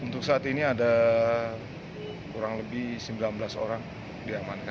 untuk saat ini ada kurang lebih sembilan belas orang diamankan